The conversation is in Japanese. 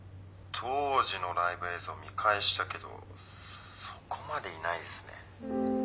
当時のライブ映像見返したけどそこまでいないですね。